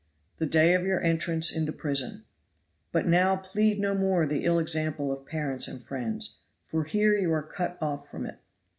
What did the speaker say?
The day of your entrance into prison. But now plead no more the ill example of parents and friends, for here you are cut off from it.